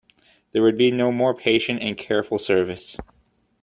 There would be no more patient and careful service.